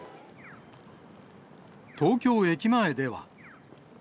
東京駅前では。